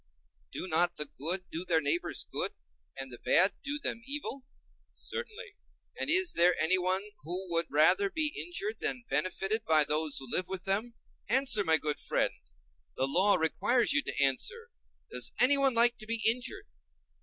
Do not the good do their neighbors good, and the bad do them evil? Certainly.And is there anyone who would rather be injured than benefited by those who live with him? Answer, my good friend; the law requires you to answer—does anyone like to be injured?